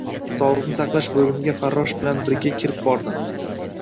Sog`likni saqlash bo`limiga farrosh bilan birga kirib bordim